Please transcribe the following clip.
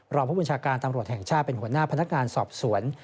รองผู้บัญชาการตำรวจแห่งชาติเป็นหัวหน้าพนักงานสอบสวน